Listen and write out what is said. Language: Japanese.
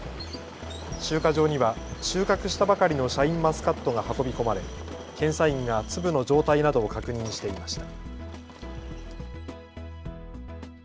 集荷場には収穫したばかりのシャインマスカットが運び込まれ検査員が粒の状態などを確認していました。